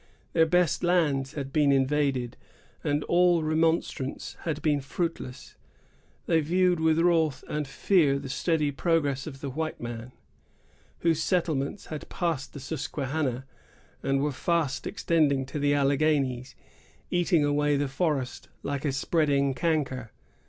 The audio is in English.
Their best lands had been invaded, and all remonstrance had been fruitless. They viewed with wrath and fear the steady progress of the white man, whose settlements had passed the Susquehanna, and were fast extending to the Alleghanies, eating away the forest like a spreading canker.